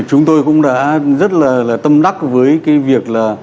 chúng tôi cũng đã rất là tâm đắc với cái việc là